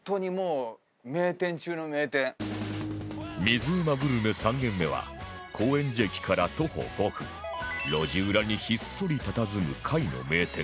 水うまグルメ３軒目は高円寺駅から徒歩５分路地裏にひっそりたたずむ貝の名店